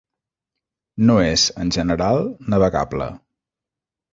No és, en general, navegable.